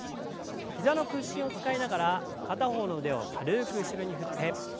膝の屈伸を使いながら片方の腕を軽く後ろに振って。